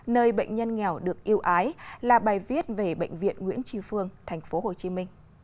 nơi bệnh nhân nghèo được yêu ái là bài viết về bệnh viện nguyễn tri phương tp hcm